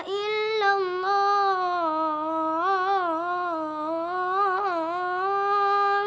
ya allah aku berdoa kepada tuhan